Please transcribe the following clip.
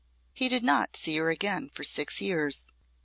He did not see her again for six years.